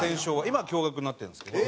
今は共学になってるんですけど。